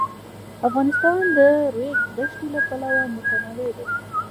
افغانستان د د ریګ دښتې له پلوه متنوع دی.